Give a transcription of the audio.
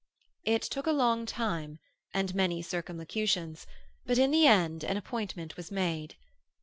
It took a long time, and many circumlocutions, but in the end an appointment was made.